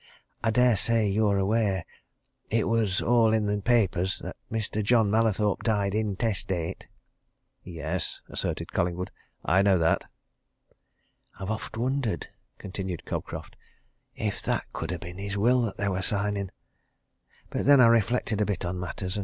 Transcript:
I dare say you're aware it was all in the papers that Mr. John Mallathorpe died intestate?" "Yes," asserted Collingwood. "I know that." "I've oft wondered," continued Cobcroft, "if that could ha' been his will that they were signing! But then I reflected a bit on matters.